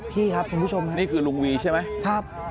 นี่คือลุงวีใช่ไหม